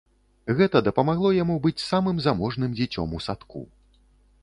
Гэта дапамагло яму быць самым заможным дзіцём у садку.